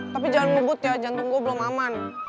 tapi jangan ngebut ya jantung gue belum aman